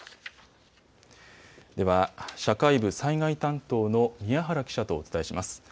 では社会部災害担当の宮原記者とお伝えします。